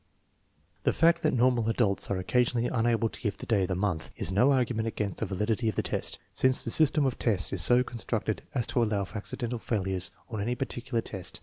The fact that normal adults are occasionally unable to give the day of the month is no argument against the valid ity of the test, since the system of tests is so constructed as to allow for accidental failures on any particular test.